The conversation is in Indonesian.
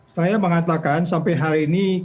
saya mengatakan sampai hari ini